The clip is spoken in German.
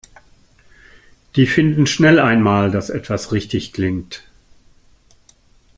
Die finden schnell einmal, dass etwas richtig klingt.